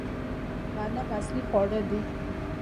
غنم اصلي خواړه دي